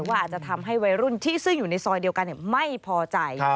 อาจจะทำให้วัยรุ่นที่ซึ่งอยู่ในซอยเดียวกันไม่พอใจ